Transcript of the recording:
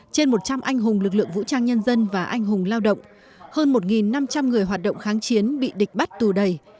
trên một trăm linh anh hùng lực lượng vũ trang nhân dân và anh hùng lao động hơn một năm trăm linh người hoạt động kháng chiến bị địch bắt tù đầy